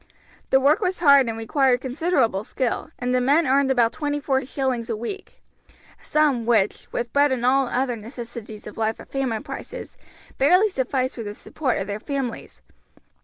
The work was hard and required considerable skill, and the men earned about twenty four shillings a week, a sum which, with bread and all other necessities of life at famine prices, barely sufficed for the support of their families.